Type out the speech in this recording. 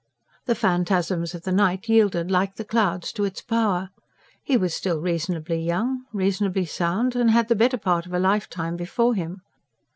The phantasms of the night yielded like the clouds to its power. He was still reasonably young, reasonably sound, and had the better part of a lifetime before him.